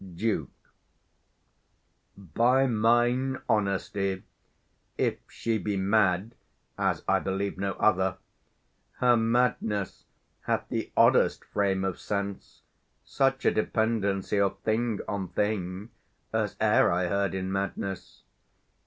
Duke. By mine honesty, If she be mad, as I believe no other, 60 Her madness hath the oddest frame of sense, Such a dependency of thing on thing, As e'er I heard in madness.